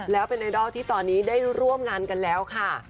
แล้วเป็นไอดอลที่ตอนนี้ได้ร่วมงานกันแล้วค่ะ